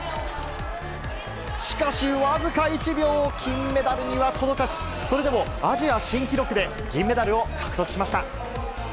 しかし、僅か１秒、金メダルには届かず、それでもアジア新記録で銀メダルを獲得しました。